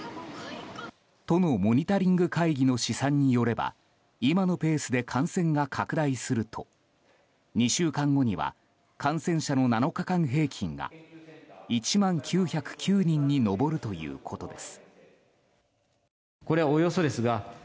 都のモニタリング会議の試算によれば今のペースで感染が拡大すると２週間後には感染者の７日間平均が１万９０９人に上るということです。